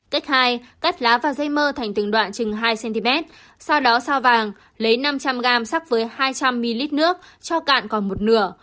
cách hai cắt lá và dây mơ thành từng đoạn chừng hai cm sau đó sao vàng lấy năm trăm linh gram sắc với hai trăm linh ml nước cho cạn còn một nửa